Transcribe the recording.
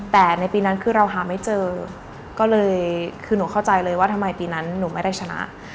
แต่ในปีนั้นคือเราหาไม่เจอก็เลยคือหนูเข้าใจเลยว่าทำไมปีนั้นหนูไม่ได้ชนะ